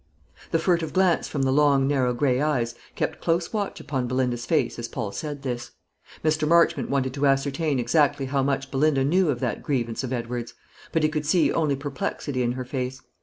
The furtive glance from the long narrow grey eyes kept close watch upon Belinda's face as Paul said this. Mr. Marchmont wanted to ascertain exactly how much Belinda knew of that grievance of Edward's; but he could see only perplexity in her face.